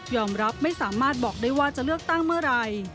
รับไม่สามารถบอกได้ว่าจะเลือกตั้งเมื่อไหร่